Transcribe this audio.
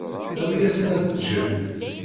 Awi-yasen ad ččen.